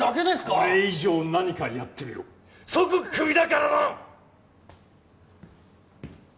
これ以上何かやってみろ即クビだからな！